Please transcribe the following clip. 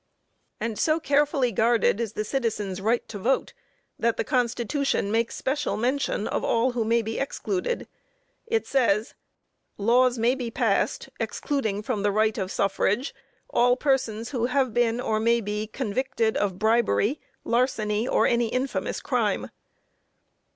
And so carefully guarded is the citizen's right to vote, that the Constitution makes special mention of all who may be excluded. It says: "Laws may be passed excluding from the right of suffrage all persons who have been or may be convicted of bribery, larceny or any infamous crime."